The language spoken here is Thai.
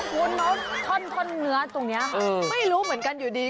คุณท่อนเนื้อตรงนี้ค่ะไม่รู้เหมือนกันอยู่ดี